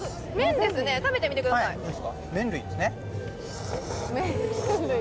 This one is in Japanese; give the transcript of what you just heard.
麺類ですね。